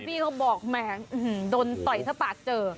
พี่เขาบอกแหมโดนต่อยถ้าปากเจอ